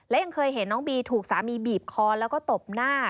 และยังเคยเห็นน้องบีถูกสามีบีบคอแล้วก็ตบหน้า